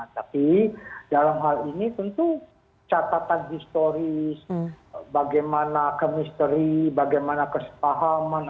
tapi dalam hal ini tentu catatan historis bagaimana chemistry bagaimana kesepahaman apa yang lainnya